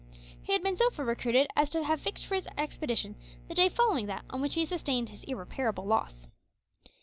He had been so far recruited as to have fixed for his expedition the day following that on which he sustained his irreparable loss.